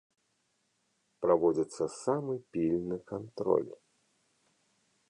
Праводзіцца самы пільны кантроль.